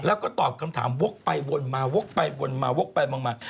แล้วก็ตอบคำถามวกไปวนมาวกไปวนมาวกไปมองมา